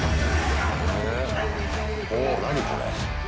お、何これ。